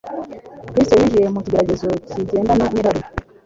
Kristo yinjiye mu kigeragezo kigendana n’irari,